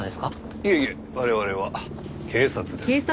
いえいえ我々は警察です。